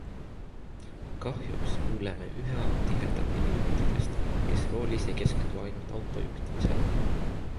Kahjuks kuuleme üha tihedamini juhtidest, kes roolis ei keskendu ainult auto juhtimisele.